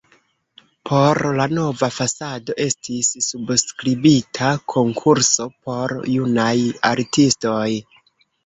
Por la nova fasado estis subskribita konkurso por junaj artistoj.